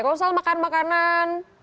kalau usah makan makanan